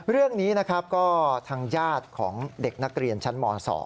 เรื่องนี้นะครับก็ทางญาติของเด็กนักเรียนชั้นม๒